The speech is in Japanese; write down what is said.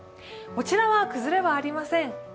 こちらは崩れはありません。